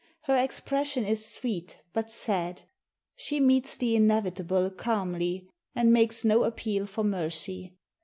Her expression is sweet but sad; she meets the inevitable calmly, and makes no appeal for mercy.